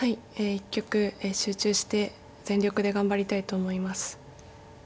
一局集中して全力で頑張りたいと思います。